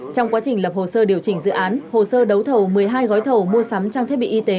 trong quá trình lập hồ sơ điều chỉnh dự án hồ sơ đấu thầu một mươi hai gói thầu mua sắm trang thiết bị y tế